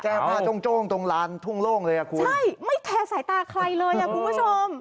แก้ผ้าโจ้งโจ้งตรงลานทุ่งโล่งเลยอ่ะคุณใช่ไม่แคร์สายตาใครเลยอ่ะคุณผู้ชม